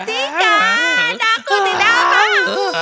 tidak apa yang kamu lakukan